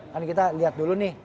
kan kita lihat dulu nih